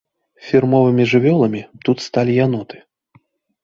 Фірмовымі жывёламі тут сталі яноты.